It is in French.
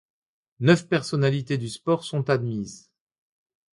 Neuf personnalités du sport sont admises.